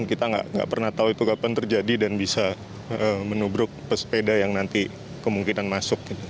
kita nggak pernah tahu itu kapan terjadi dan bisa menubruk pesepeda yang nanti kemungkinan masuk